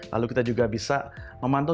lalu kita juga bisa memantau